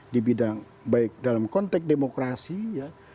di bidang baik dalam konteks demokrasi ya